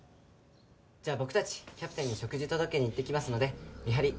じゃあ僕たちキャプテンに食事を届けに行ってきますので見張り